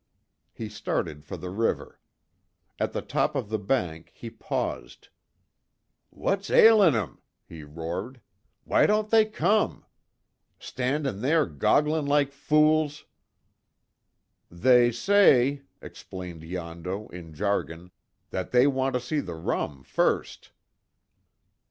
He started for the river. At the top of the bank, he paused: "What's ailin 'em?" he roared, "Why don't they come! Standin' there gogglin' like fools!" "They say," explained Yondo, in jargon, "That they want to see the rum first."